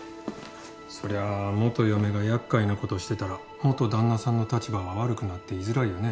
そりゃあ元嫁が厄介なことしてたら元旦那さんの立場は悪くなって居づらいよね。